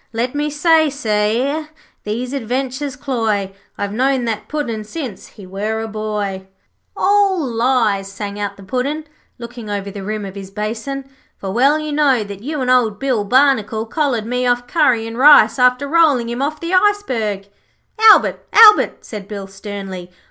Let me but say, e'er these adventures cloy, I've knowed that Puddin' since he were a boy.' 'All lies,' sang out the Puddin', looking over the rim of his basin. 'For well you know that you and old Bill Barnacle collared me off Curry and Rice after rolling him off the iceberg.' 'Albert, Albert,' said Bill, sternly.